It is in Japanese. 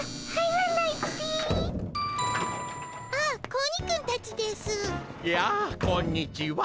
やあこんにちは。